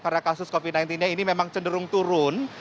karena kasus covid sembilan belas ini memang cenderung turun